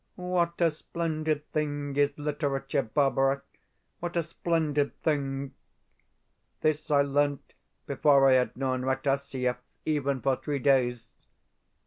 What a splendid thing is literature, Barbara what a splendid thing! This I learnt before I had known Rataziaev even for three days.